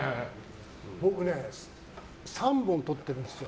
僕ね、３本撮ってるんですよ。